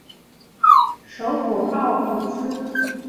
首府奥古兹。